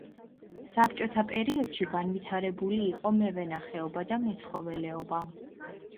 საბჭოთა პერიოდში განვითარებული იყო მევენახეობა და მეცხოველეობა.